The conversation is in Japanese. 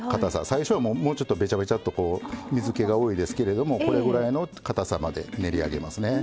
最初はもうちょっとべちゃべちゃっとこう水けが多いですけれどもこれぐらいのかたさまで練り上げますね。